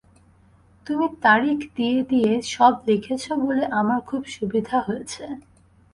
তুমি তারিখ দিয়ে দিয়ে সব লিখেছ বলে আমার খুব সুবিধা হয়েছে।